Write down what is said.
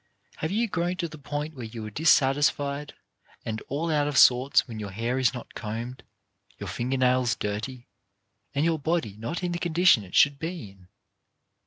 Have you grown to the point where you are dissatisfied and all out of sorts when your hair is not combed, your finger nails dirty, and your body not in the condition it should be in?